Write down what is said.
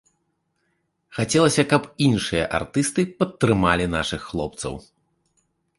Хацелася, каб і іншыя артысты падтрымалі нашых хлопцаў.